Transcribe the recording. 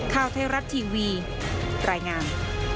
ข้าวเทศรัตน์ทีวีรายงาน